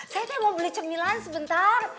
saya mau beli cemilan sebentar